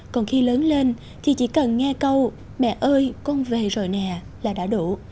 còn khi lớn lên thì chỉ cần nghe câu mẹ ơi con về rồi nè là đã đủ